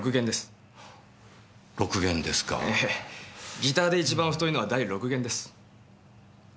ギターで一番太いのは第６弦です。